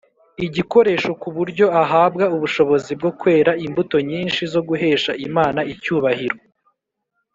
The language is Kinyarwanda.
igikoresho, ku buryo ahabwa ubushobozi bwo kwera imbuto nyinshi zo guhesha imana icyubahiro